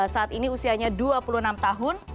saat ini usianya dua puluh enam tahun